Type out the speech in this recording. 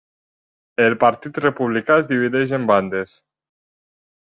El partit republicà es divideix en bandes.